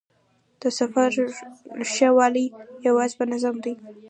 د سفر ښه والی یوازې په نظم دی.